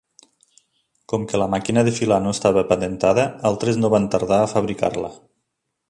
Com que la màquina de filar no estava patentada, altres no van tardar a fabricar-la.